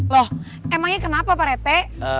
loh emangnya kenapa pak rete